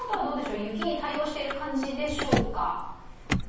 雪に対応している感じでしょうか。